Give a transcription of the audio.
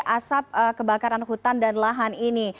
asap kebakaran hutan dan lahan ini